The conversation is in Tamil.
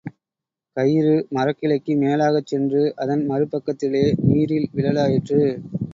கயிறு மரக் கிளைக்கு மேலாகச் சென்று, அதன் மறு பக்கத்திலே நீரில் விழலாயிற்று.